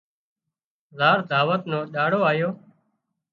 زار دعوت نو ۮاڙو آيو